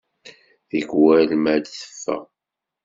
Tikwal ma d-teffeɣ.